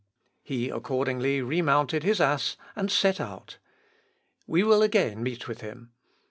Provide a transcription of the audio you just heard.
He accordingly remounted his ass and set out. We will again meet with him.